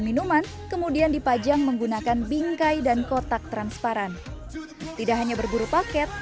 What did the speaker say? minuman kemudian dipajang menggunakan bingkai dan kotak transparan tidak hanya berburu paket